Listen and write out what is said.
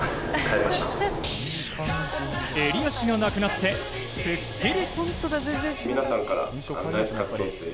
襟足がなくなって、すっきり。